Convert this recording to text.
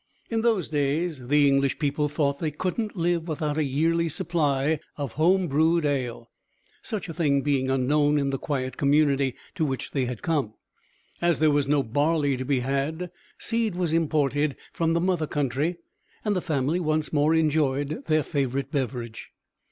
In those days the English people thought that they couldn't live without a yearly supply of home brewed ale; such a thing being unknown in the quiet community to which they had come. As there was no barley to be had, seed was imported from the mother country and the family once more enjoyed their favorite beverage.